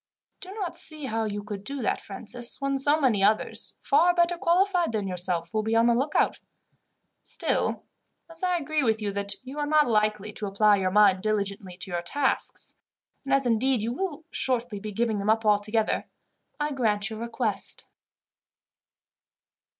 "I do not see how you could do that, Francis, when so many others, far better qualified than yourself, will be on the lookout. Still, as I agree with you that you are not likely to apply your mind diligently to your tasks, and as, indeed, you will shortly be giving them up altogether, I grant your request."